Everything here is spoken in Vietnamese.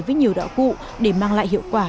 với nhiều đạo cụ để mang lại hiệu quả